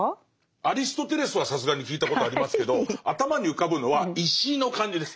アリストテレスはさすがに聞いたことありますけど頭に浮かぶのは石の感じです。